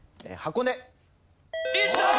いったー！